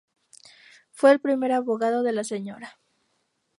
Fue el primer abogado de la Sra.